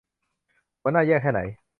หัวหน้าแย่แค่ไหน